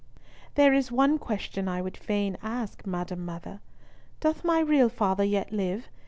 "There is one question I would fain ask, Madam mother: Doth my real father yet live?